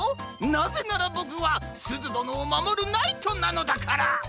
なぜならボクはすずどのをまもるナイトなのだから！